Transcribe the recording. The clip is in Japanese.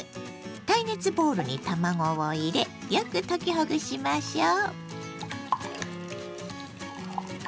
耐熱ボウルに卵を入れよく溶きほぐしましょう。